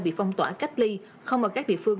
bị phong tỏa cách ly không ở các địa phương